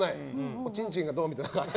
おちんちんがどうみたいな。